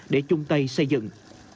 để chung tay xây dựng